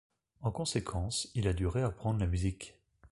En conséquence, il a dû réapprendre la musique.